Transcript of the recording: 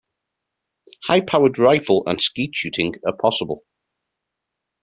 High-powered rifle and skeet shooting are possible.